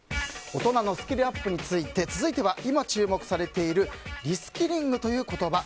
大人のスキルアップについて続いては今注目されているリスキリングという言葉。